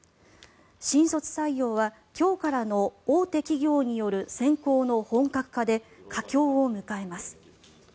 新卒採用は今日からの大手企業による選考の本格化で佳境を迎えます。